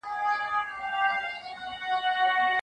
سرلوړي یوازي د رښتیني غازیانو په برخه ده.